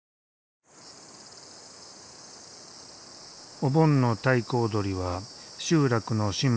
お盆の太鼓踊りは集落の神仏に祈る。